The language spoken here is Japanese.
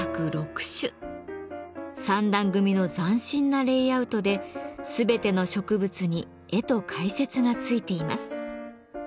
３段組みの斬新なレイアウトで全ての植物に絵と解説が付いています。